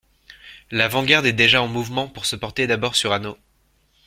L'avant-garde est déjà en mouvement pour se porter d'abord sur Hanau.